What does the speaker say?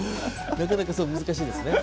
なかなか難しいですね。